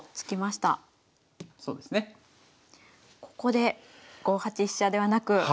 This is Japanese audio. ここで５八飛車ではなく。